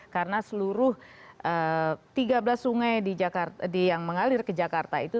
karena seluruh tiga belas sungai yang mengalir ke jakarta itu